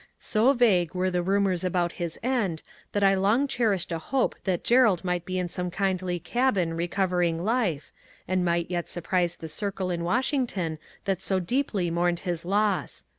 So vague were the rumours about his end that I long cherished a hope that Gerald might be in some kindly cabin recovering life, and might yet surprise the circle in Washington that so deeply mourned his loss.